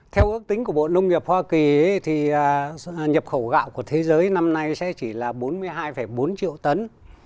theo ước tính của bộ nông nghiệp hoa kỳ thì nhập khẩu gạo của thế giới năm nay sẽ chỉ là bốn mươi hai bốn triệu tấn